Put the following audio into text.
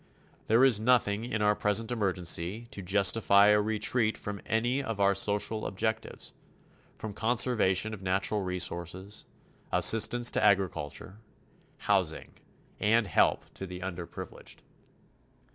There is nothing in our present emergency to justify a retreat from any of our social objectives from conservation of natural resources, assistance to agriculture, housing, and help to the underprivileged.